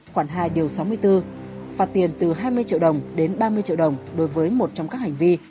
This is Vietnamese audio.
khoảng hai điều sáu mươi bốn phạt tiền từ hai mươi triệu đồng đến ba mươi triệu đồng đối với một trong các hành vi